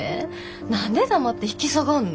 何で黙って引き下がんの。